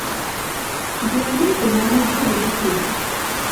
যে আগুন তোমার মধ্যেও দেখেছিলাম।